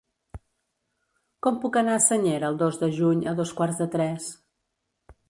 Com puc anar a Senyera el dos de juny a dos quarts de tres?